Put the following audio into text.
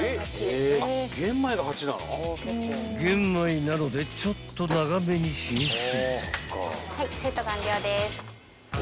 ［玄米なのでちょっと長めに浸水］